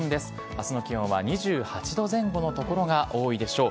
あすの気温は２８度前後の所が多いでしょう。